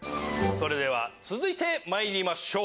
それでは続いてまいりましょう。